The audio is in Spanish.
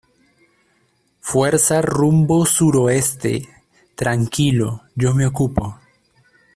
fuerza rumbo suroeste. tranquilo, yo me ocupo